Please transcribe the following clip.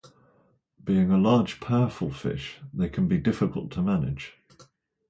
Being a large powerful fish, they can be difficult to manage.